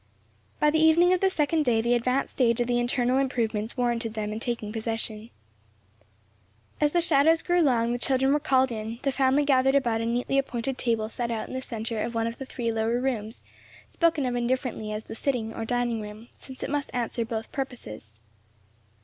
By the evening of the second day the advanced stage of the internal improvements warranted them in taking possession. As the shadows grew long the children were called in, the family gathered about a neatly appointed table set out in the centre one of the three lower rooms; spoken of indifferently as the sitting, or dining room, since it must answer both purposes.